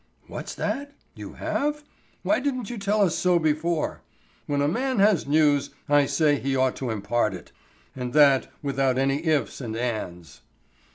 "What's that? You have? Why didn't you tell us so before? When a man has news, I say he ought to impart it, and that without any ifs and ands."